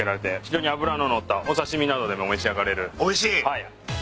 はい。